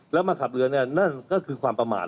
ละมาขับเรือนั่นคือความประมาท